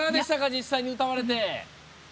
実際に歌われて。